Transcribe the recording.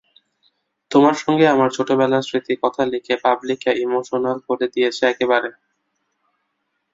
তোমার সঙ্গে আমার ছোটবেলার স্মৃতির কথা লিখে পাবলিককে ইমোশনাল করে দিয়েছি একেবারে।